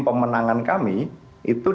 pemenangan kami itu